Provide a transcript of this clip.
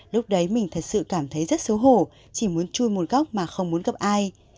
lúc đấy mình thật sự cảm thấy rất xấu hổ chỉ muốn chui một góc mà không muốn gặp ai